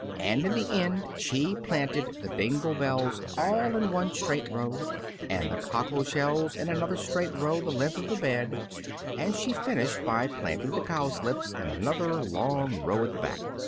And in the end she planted the dingle bells all in one straight row, and the cockle shells in another straight row the length of the bed, and she finished by planting the cowslips in another long row at the back.